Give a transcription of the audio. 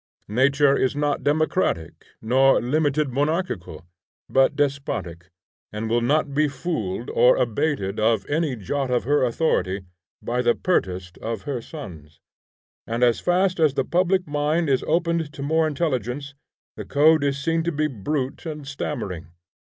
Nature is not democratic, nor limited monarchical, but despotic, and will not be fooled or abated of any jot of her authority by the pertest of her sons; and as fast as the public mind is opened to more intelligence, the code is seen to be brute and stammering.